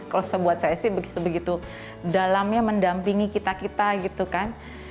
kalau sebuat saya sih sebegitu dalamnya mendampingi kita kita gitu kan